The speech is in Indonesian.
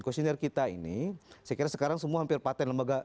questionnaire kita ini saya kira sekarang semua hampir paten